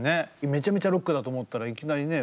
めちゃくちゃロックだと思ったらいきなりね。